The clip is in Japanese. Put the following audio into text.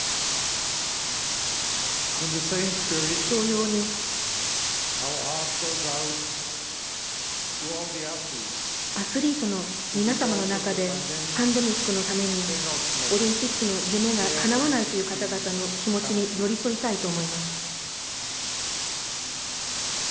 同様に、アスリートの皆様の中でパンデミックのためにオリンピックの夢がかなわないという方々の気持ちに寄り添いたいと思います。